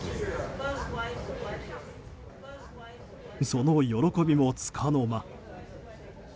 その喜びも、つかの間。